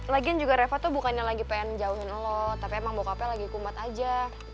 lagian juga reva tuh bukannya lagi pengen menjauhin alot tapi emang bokapnya lagi kumbat aja